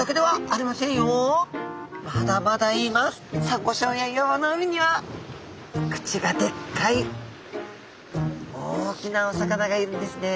サンゴしょうや岩場の海には口がでっかい大きなお魚がいるんですね。